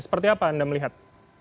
seperti apa anda melihat